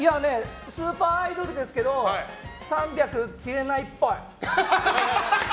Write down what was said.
スーパーアイドルですけど３００切れないっぽい。